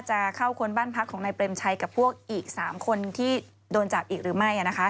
จะเข้าค้นบ้านพักของนายเปรมชัยกับพวกอีก๓คนที่โดนจับอีกหรือไม่